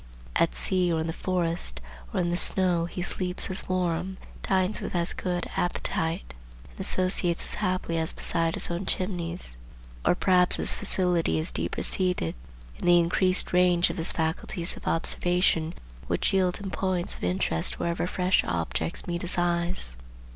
At sea, or in the forest, or in the snow, he sleeps as warm, dines with as good appetite, and associates as happily as beside his own chimneys. Or perhaps his facility is deeper seated, in the increased range of his faculties of observation, which yield him points of interest wherever fresh objects meet his eyes.